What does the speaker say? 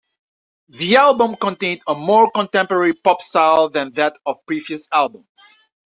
The album contained a more contemporary pop style than that of previous albums.